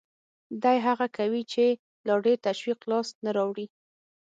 دی هڅه کوي چې لا ډېر تشویق لاس ته راوړي